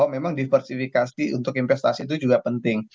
memang diversifikasi untuk investasi itu juga penting